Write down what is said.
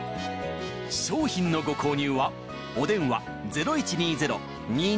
商品のご購入はお電話０１２０−２７８−４４４